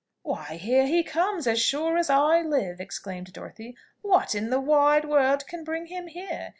"Why, here he comes, as sure as I live!" exclaimed Dorothy. "What in the wide world can bring him here?